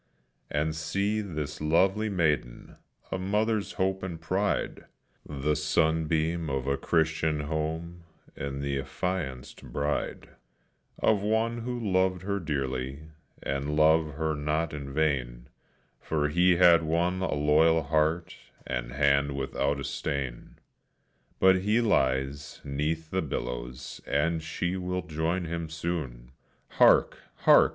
And see this lovely maiden, a mother's hope and pride, The sunbeam of a Christian home, and the affianced bride Of one who loved her dearly, and loved her not in vain, For he had won a loyal heart, and hand without a stain; But he lies 'neath the billows, and she will join him soon. Hark! hark!